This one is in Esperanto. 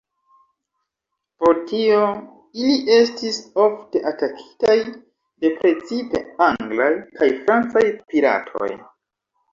Pro tio ili estis ofte atakitaj de precipe anglaj kaj francaj piratoj.